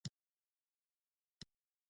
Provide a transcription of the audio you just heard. زاویه د یوې کرښې د بدلیدو کچه ده.